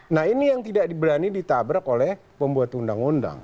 nah ini yang tidak berani ditabrak oleh pembuat undang undang